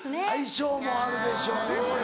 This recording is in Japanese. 相性もあるでしょうね。